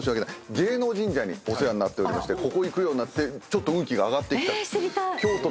芸能神社にお世話になっておりましてここ行くようになってちょっと運気が上がってきた。